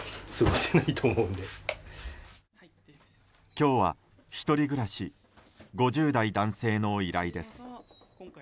今日は１人暮らし５０代男性の依頼です。